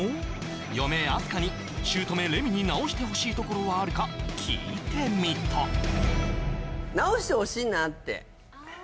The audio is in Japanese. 嫁・明日香に姑・レミに直してほしいところはあるか聞いてみたうん